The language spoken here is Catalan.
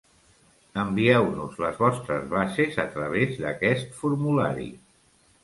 Envieu-nos les vostres bases a través d'aquest formulari.